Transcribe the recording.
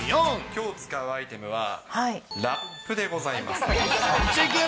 きょう使うアイテムは、ラップでございます。